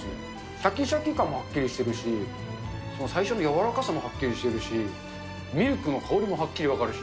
しゃきしゃき感もはっきりしてるし、最初のやわらかさもはっきりしてるし、ミルクの香りもはっきり分かるし。